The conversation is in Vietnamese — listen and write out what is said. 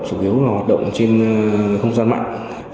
chủ yếu là hoạt động trên không gian mạng